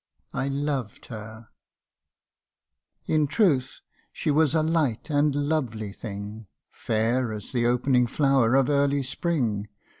I loved her ! CANTO I. 23 In truth she was a light and lovely thing, Fair as the opening flower of early spring.